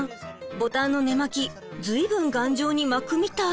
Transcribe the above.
ボタンの根巻き随分頑丈に巻くみたい。